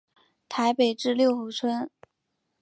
台北至六福村。